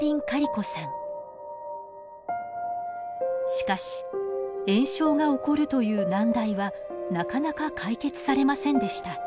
しかし炎症が起こるという難題はなかなか解決されませんでした。